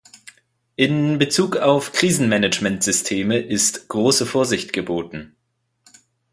In Bezug auf Krisenmanagementsysteme ist große Vorsicht geboten.